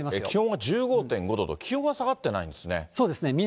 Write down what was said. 気温が１５．５度と、気温は下がってないんですね。